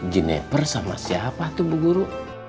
gineper sama siapa tuh bu guru